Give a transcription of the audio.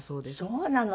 そうなの？